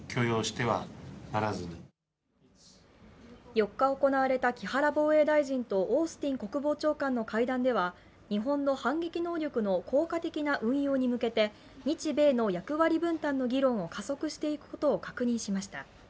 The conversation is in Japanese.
４日行われた木原防衛大臣とオースティン国防長官の会談では日本の反撃能力の効果的な運用に向けて日米の役割分担の議論を加速していくことを確認しました。